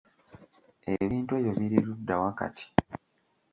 Ebintu ebyo biri ludda wa kati?